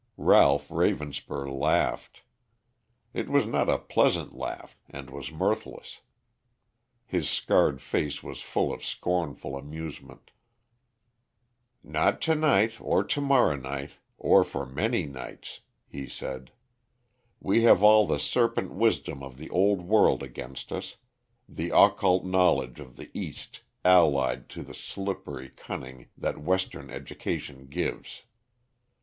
Ralph Ravenspur laughed. It was not a pleasant laugh and was mirthless. His scarred face was full of scornful amusement. "Not to night or to morrow night, or for many nights," he said. "We have all the serpent wisdom of the Old World against us, the occult knowledge of the East allied to the slippery cunning that Western education gives.